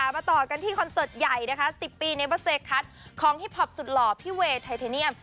ต่อกันที่คอนเสิร์ตใหญ่นะคะ๑๐ปีเนเบอร์เซคัทของฮิปพอปสุดหล่อพี่เวย์ไทเทเนียม